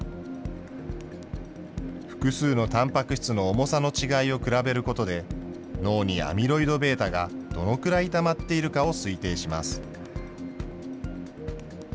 複数のたんぱく質の重さの違いを比べることで、脳にアミロイドβがどのくらいたまっているかを推定します。